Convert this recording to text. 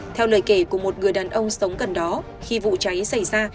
theo lời kể của một người đàn ông sống gần đó khi vụ cháy xảy ra